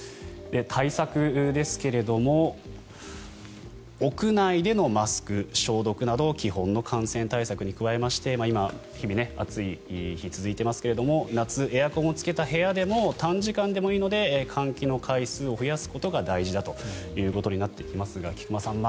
対策ですけれども屋内でのマスク、消毒など基本の感染対策に加えまして今、日々暑い日が続いていますけども夏、エアコンをつけた部屋でも短時間でもいいので換気の回数を増やすことが大事だということになってきますが菊間さん